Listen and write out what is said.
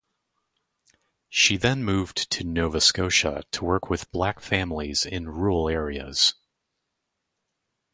She then moved to Nova Scotia to work with black families in rural areas.